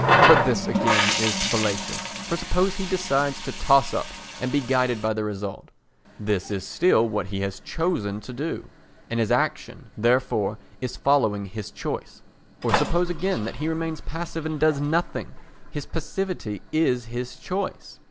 But this again is fallacious. For suppose he decides to toss up and be guided by the result, this is still what he has chosen to do, and his action, therefore, is following his choice. Or suppose, again, that he remains passive and does nothing—his passivity is his choice.